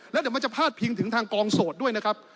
แล้วเดี๋ยวมันจะพาดพิงถึงทางกองโสดด้วยนะครับ